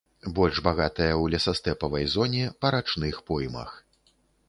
Больш багатая ў лесастэпавай зоне, па рачных поймах.